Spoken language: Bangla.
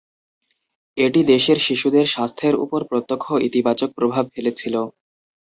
এটি দেশের শিশুদের স্বাস্থ্যের উপর প্রত্যক্ষ ইতিবাচক প্রভাব ফেলেছিল।